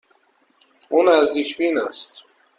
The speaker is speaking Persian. او نزدیک بین است.